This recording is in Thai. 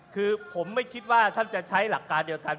คือผมไม่คิดว่าท่านจะใช้หลักการเดียวกัน